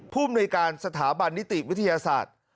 มนุยการสถาบันนิติวิทยาศาสตร์